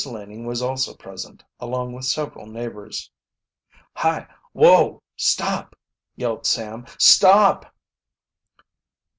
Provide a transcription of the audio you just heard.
Laning was also present, along with several neighbors. "Hi, whoa! stop!" yelled Sam. "Stop!"